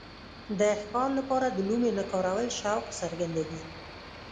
د ښکار لپاره د لومې نه کارول شوق څرګندوي.